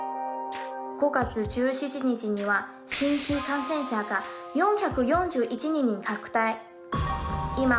５月１７日には新規感染者が４４１人に拡大。